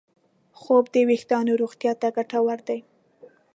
خوب د وېښتیانو روغتیا ته ګټور دی.